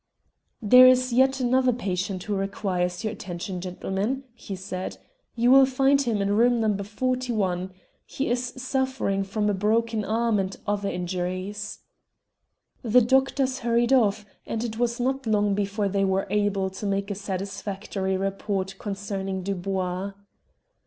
"There is yet another patient who requires your attention, gentlemen," he said. "You will find him in room No. 41. He is suffering from a broken arm and other injuries." The doctors hurried off, and it was not long before they were able to make a satisfactory report concerning Dubois.